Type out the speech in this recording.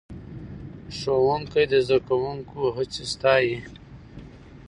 ښوونکی د زده کوونکو هڅې ستایي